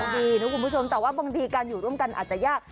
ดีนะคุณผู้ชมแต่ว่าบางทีการอยู่ร่วมกันอาจจะยาก